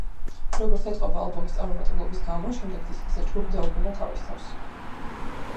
როგორც ეტყობა, ალბომის წარუმატებლობის გამო, შემდეგ დისკზე ჯგუფი დაუბრუნდა თავის თავს.